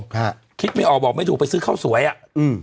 ฮะคิดไม่ออกบอกไม่ถูกไปซื้อข้าวสวยอ่ะอืม